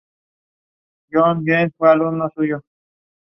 Habita en la República Democrática del Congo.